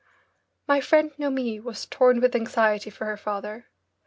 My friend Noemie was torn with anxiety for her father.